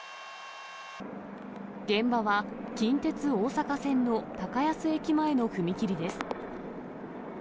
現場は近鉄大阪線の高安駅前の踏切です。